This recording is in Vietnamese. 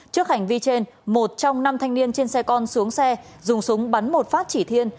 trước hành vi trên một trong năm thanh niên trên xe con xuống xe dùng súng bắn một phát chỉ thiên